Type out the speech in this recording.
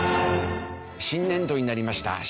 新年度になりました。